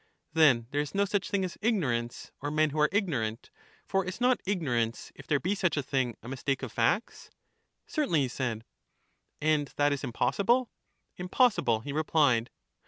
Then there is no such thing as ignorance, or men who are ignorant; for is not ignorance, if there be such a thing, a mistake of facts? Certainly, he said. And that is impossible? Impossible, he replied.